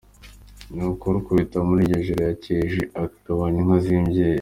Ni uko Rukubita muri iryo joro yakeje, ahagabana inka z'imbyeyi.